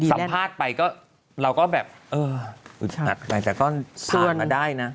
สัมภาษณ์ไปก็เราก็แบบเอออึดอัดไปแต่ก็ผ่านมาได้นะ